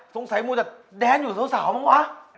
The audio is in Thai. สงสัยมูทจะแด้นอยู่สาวมั้งวะ